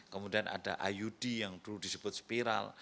kemudian ada iud yang dulu disebut spiral